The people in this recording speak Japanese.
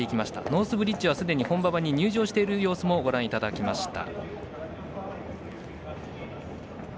ノースブリッジはすでに本馬場に入場している様子もご覧いただきました。